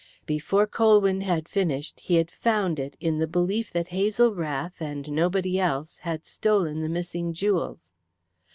Before Colwyn had finished he had found it in the belief that Hazel Rath, and nobody else, had stolen the missing jewels.